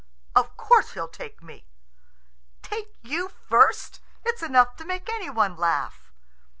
"Of course he'll take me." "Take you first! It's enough to make any one laugh!"